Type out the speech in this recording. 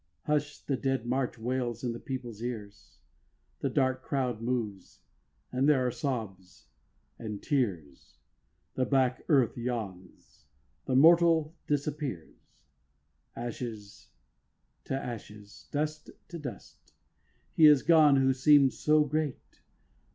Hush, the Dead March wails in the people's ears: The dark crowd moves, and there are sobs and tears: The black earth yawns: the mortal disappears; Ashes to ashes, dust to dust; He is gone who seem'd so great.